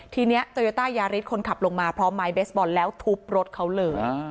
ทีนี้โตโยต้ายาริสคนขับลงมาพร้อมไม้เบสบอลแล้วทุบรถเขาเลย